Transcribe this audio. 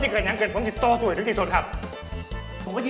สามารถรับชมได้ทุกวัย